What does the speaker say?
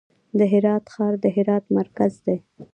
د هرات ښار د هرات مرکز دی